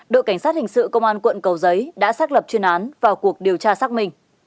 đội cảnh sát hình sự công an quận cầu giấy đã xác lập chuyên án vào cuộc điều tra xác minh